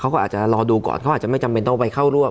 เขาก็อาจจะรอดูก่อนเขาอาจจะไม่จำเป็นต้องไปเข้าร่วม